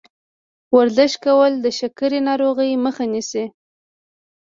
ورزش کول د شکرې ناروغۍ مخه نیسي.